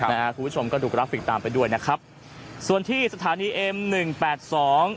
นะฮะคุณผู้ชมก็ดูกราฟิกตามไปด้วยนะครับส่วนที่สถานีเอ็มหนึ่งแปดสอง